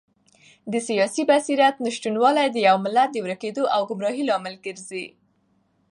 د سیاسي بصیرت نشتوالی د یو ملت د ورکېدو او ګمراهۍ لامل ګرځي.